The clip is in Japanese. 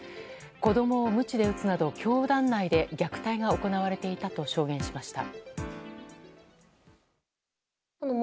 子供をムチで打つなど教団内で虐待が行われていたと証言しました。